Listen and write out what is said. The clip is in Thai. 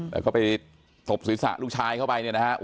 แล้วก็ไปตบศีรษะลูกชายเข้าไปเนี่ยนะครับ